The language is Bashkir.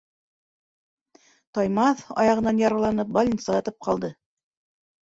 Таймаҫ, аяғынан яраланып, больницала ятып ҡалды.